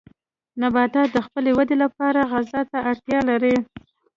نباتات د خپلې ودې لپاره غذا ته اړتیا لري.